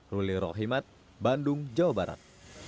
ruli rohimat bandung jawa barat